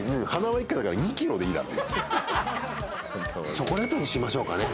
チョコレートにしましょうかね。